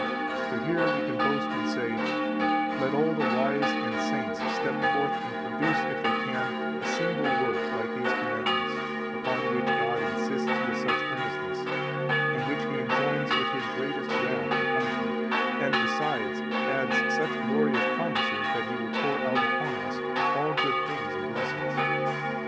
For here we can boast and say: Let all the wise and saints step forth and produce, if they can, a [single] work like these commandments, upon which God insists with such earnestness, and which He enjoins with His greatest wrath and punishment, and, besides, adds such glorious promises that He will pour out upon us all good things and blessings.